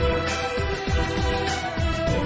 โอ้โอ้โอ้โอ้